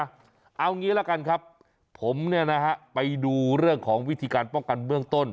เอาอย่างนี้แล้วกันครับผมไปดูเรื่องของวิธีการป้องกันเมืองต้น